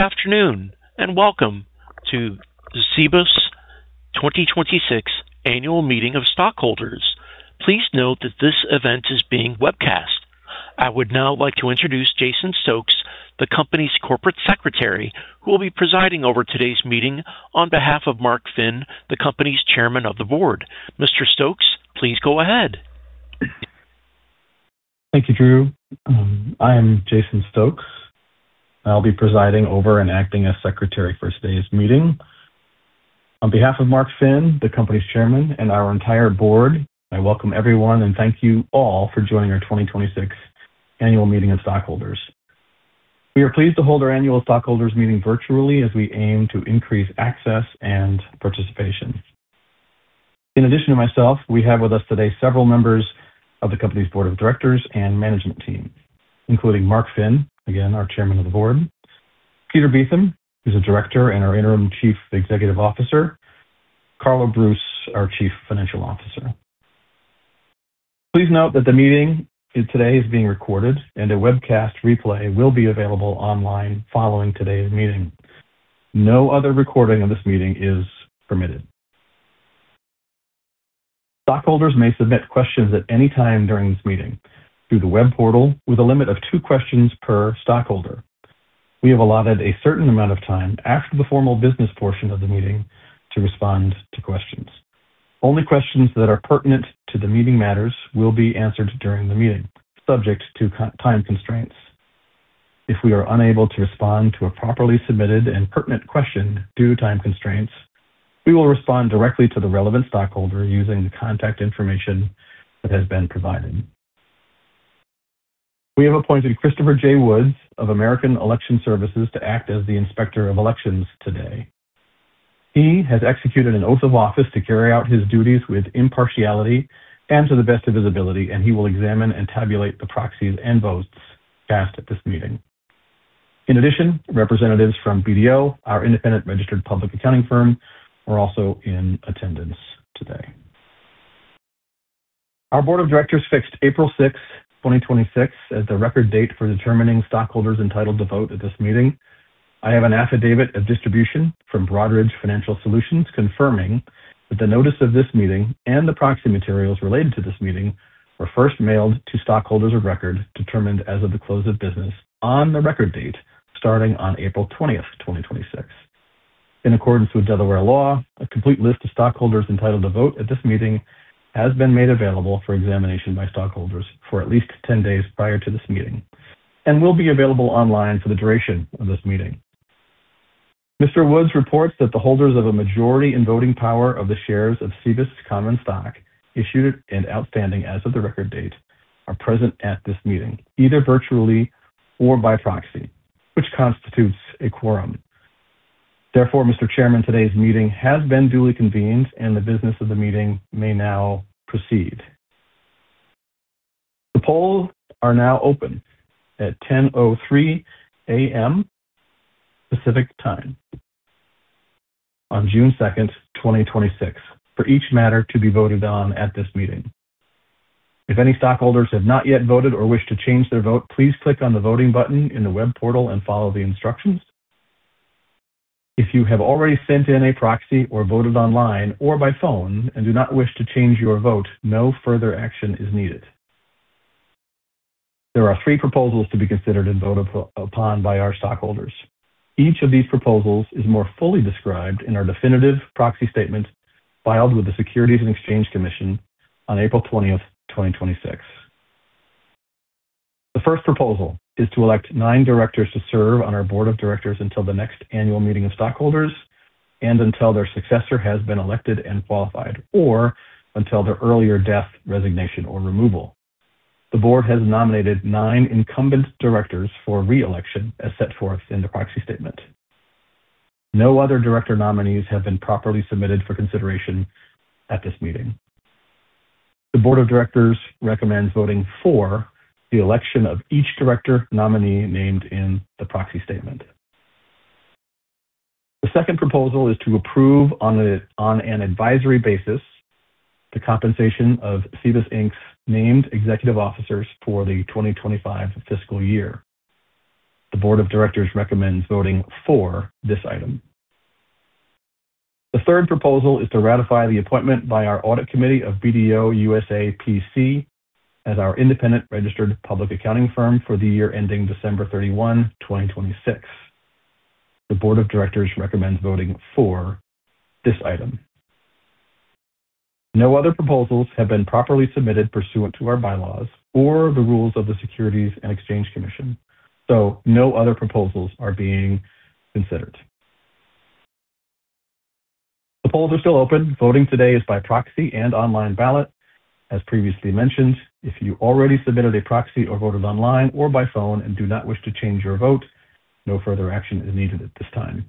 Good afternoon, and welcome to the Cibus 2026 Annual Meeting of Stockholders. Please note that this event is being webcast. I would now like to introduce Jason Stokes, the company's corporate secretary, who will be presiding over today's meeting on behalf of Mark Finn, the company's chairman of the board. Mr. Stokes, please go ahead. Thank you, Drew. I am Jason Stokes. I'll be presiding over and acting as secretary for today's meeting. On behalf of Mark Finn, the company's chairman, and our entire board, I welcome everyone and thank you all for joining our 2026 annual meeting of stockholders. We are pleased to hold our annual stockholders meeting virtually as we aim to increase access and participation. In addition to myself, we have with us today several members of the company's board of directors and management team, including Mark Finn, again, our chairman of the board, Peter Beetham, who's a director and our Interim Chief Executive Officer, Carlo Broos, our Chief Financial Officer. Please note that the meeting today is being recorded, and a webcast replay will be available online following today's meeting. No other recording of this meeting is permitted. Stockholders may submit questions at any time during this meeting through the web portal, with a limit of two questions per stockholder. We have allotted a certain amount of time after the formal business portion of the meeting to respond to questions. Only questions that are pertinent to the meeting matters will be answered during the meeting, subject to time constraints. If we are unable to respond to a properly submitted and pertinent question due to time constraints, we will respond directly to the relevant stockholder using the contact information that has been provided. We have appointed Christopher J. Woods of American Election Services to act as the inspector of elections today. He has executed an oath of office to carry out his duties with impartiality and to the best of his ability, and he will examine and tabulate the proxies and votes cast at this meeting. Representatives from BDO, our independent registered public accounting firm, are also in attendance today. Our board of directors fixed April 6th, 2026, as the record date for determining stockholders entitled to vote at this meeting. I have an affidavit of distribution from Broadridge Financial Solutions confirming that the notice of this meeting and the proxy materials related to this meeting were first mailed to stockholders of record determined as of the close of business on the record date starting on April 20th, 2026. In accordance with Delaware law, a complete list of stockholders entitled to vote at this meeting has been made available for examination by stockholders for at least 10 days prior to this meeting and will be available online for the duration of this meeting. Mr. Woods reports that the holders of a majority in voting power of the shares of Cibus common stock issued and outstanding as of the record date are present at this meeting, either virtually or by proxy, which constitutes a quorum. Therefore, Mr. Chairman, today's meeting has been duly convened and the business of the meeting may now proceed. The polls are now open at 10:03 A.M. Pacific Time on June 2nd, 2026, for each matter to be voted on at this meeting. If any stockholders have not yet voted or wish to change their vote, please click on the voting button in the web portal and follow the instructions. If you have already sent in a proxy or voted online or by phone and do not wish to change your vote, no further action is needed. There are three proposals to be considered and voted upon by our stockholders. Each of these proposals is more fully described in our definitive proxy statement filed with the Securities and Exchange Commission on April 20th, 2026. The first proposal is to elect nine directors to serve on our Board of Directors until the next annual meeting of stockholders and until their successor has been elected and qualified or until their earlier death, resignation, or removal. The Board has nominated nine incumbent directors for re-election as set forth in the proxy statement. No other director nominees have been properly submitted for consideration at this meeting. The Board of Directors recommends voting for the election of each director nominee named in the proxy statement. The second proposal is to approve, on an advisory basis, the compensation of Cibus, Inc.'s named executive officers for the 2025 fiscal year. The Board of Directors recommends voting for this item. The third proposal is to ratify the appointment by our audit committee of BDO USA, P.C. as our independent registered public accounting firm for the year ending December 31, 2026. The board of directors recommends voting for this item. No other proposals have been properly submitted pursuant to our bylaws or the rules of the Securities and Exchange Commission. No other proposals are being considered. The polls are still open. Voting today is by proxy and online ballot. As previously mentioned, if you already submitted a proxy or voted online or by phone and do not wish to change your vote, no further action is needed at this time.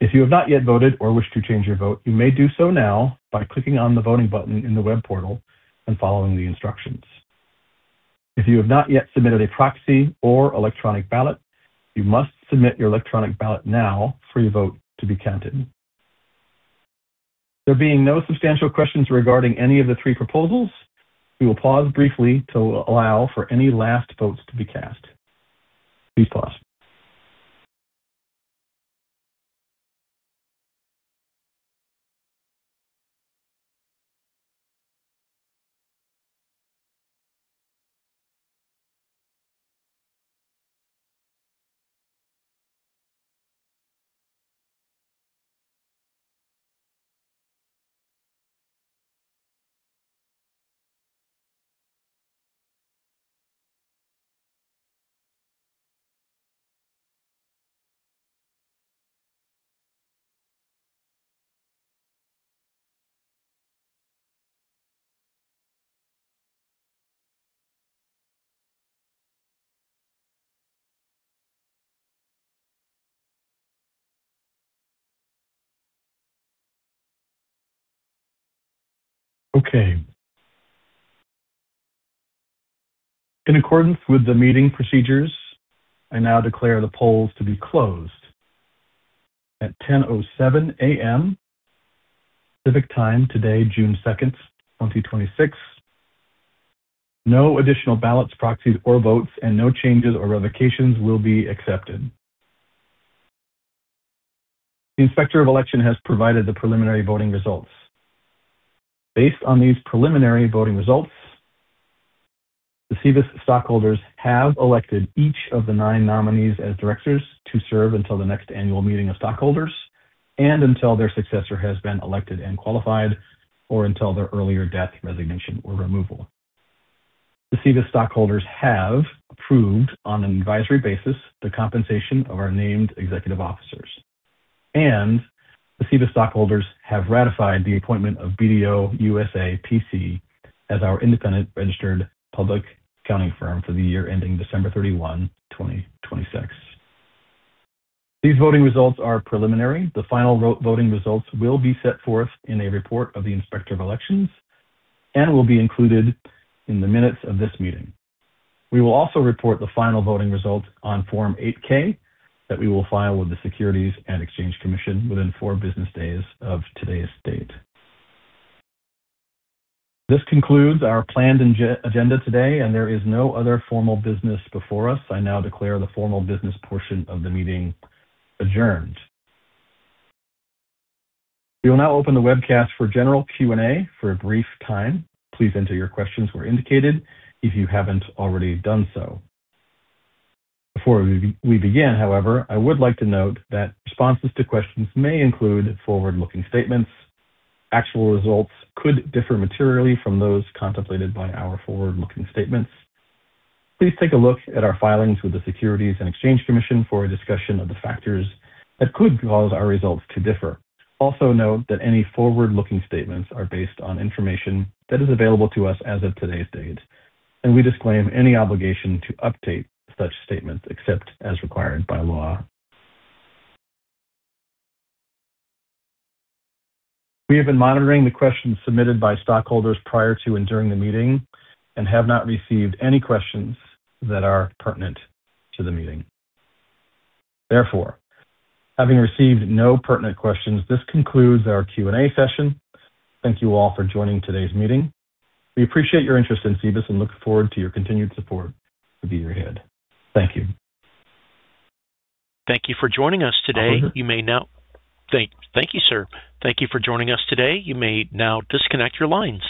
If you have not yet voted or wish to change your vote, you may do so now by clicking on the voting button in the web portal and following the instructions. If you have not yet submitted a proxy or electronic ballot, you must submit your electronic ballot now for your vote to be counted. There being no substantial questions regarding any of the three proposals, we will pause briefly to allow for any last votes to be cast. Please pause. Okay. In accordance with the meeting procedures, I now declare the polls to be closed at 10:07 A.M. Pacific Time today, June 2nd, 2026. No additional ballots, proxies or votes and no changes or revocations will be accepted. The Inspector of Election has provided the preliminary voting results. Based on these preliminary voting results, the Cibus stockholders have elected each of the nine nominees as directors to serve until the next annual meeting of stockholders and until their successor has been elected and qualified, or until their earlier death, resignation or removal. The Cibus stockholders have approved on an advisory basis the compensation of our named executive officers, and the Cibus stockholders have ratified the appointment of BDO USA, P.C. as our independent registered public accounting firm for the year ending December 31, 2026. These voting results are preliminary. The final voting results will be set forth in a report of the Inspector of Elections and will be included in the minutes of this meeting. We will also report the final voting results on Form 8-K that we will file with the Securities and Exchange Commission within four business days of today's date. This concludes our planned agenda today, and there is no other formal business before us. I now declare the formal business portion of the meeting adjourned. We will now open the webcast for general Q&A for a brief time. Please enter your questions where indicated if you haven't already done so. Before we begin, however, I would like to note that responses to questions may include forward-looking statements. Actual results could differ materially from those contemplated by our forward-looking statements. Please take a look at our filings with the Securities and Exchange Commission for a discussion of the factors that could cause our results to differ. Also note that any forward-looking statements are based on information that is available to us as of today's date, and we disclaim any obligation to update such statements except as required by law. We have been monitoring the questions submitted by stockholders prior to and during the meeting and have not received any questions that are pertinent to the meeting. Therefore, having received no pertinent questions, this concludes our Q&A session. Thank you all for joining today's meeting. We appreciate your interest in Cibus and look forward to your continued support for the year ahead. Thank you. Thank you for joining us today. Thank you, sir. Thank you for joining us today. You may now disconnect your lines.